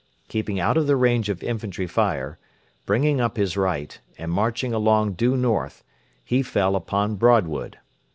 Keeping out of the range of infantry fire, bringing up his right, and marching along due north, he fell upon Broadwood.